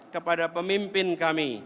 kepada pemimpin kami